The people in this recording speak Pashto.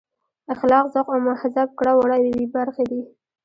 اخلاق ذوق او مهذب کړه وړه یې برخې دي.